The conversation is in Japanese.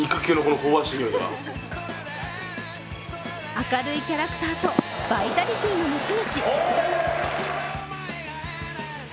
明るいキャラクターとバイタリティーの持ち主。